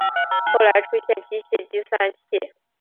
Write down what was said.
后来出现机械计算器。